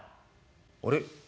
あれ？